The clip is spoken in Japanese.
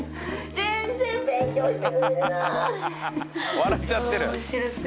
笑っちゃってる。